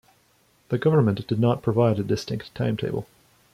The government did not provide a distinct timetable.